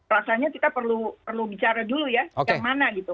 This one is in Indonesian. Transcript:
rasanya kita perlu bicara dulu ya yang mana gitu